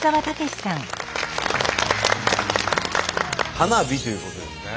花火ということですね。